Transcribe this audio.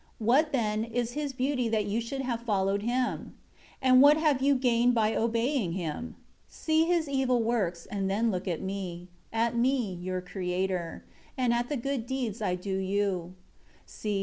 9 What, then, is his beauty that you should have followed him? And what have you gained by obeying him? See his evil works and then look at Me; at Me, your Creator, and at the good deeds I do you.